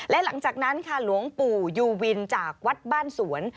และหลังจากนั้นค่ะหลวงปู่ยูวินจากวัดบ้านสวน